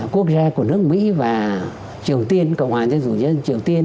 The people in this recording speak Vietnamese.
quốc gia của nước mỹ và triều tiên cộng hòa nhân dụ dân triều tiên